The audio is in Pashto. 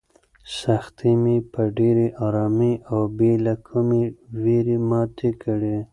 سختۍ مې په ډېرې ارامۍ او بې له کومې وېرې ماتې کړې.